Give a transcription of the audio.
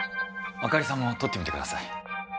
朱莉さんも撮ってみてください。